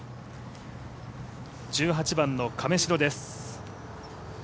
１８番の亀代です。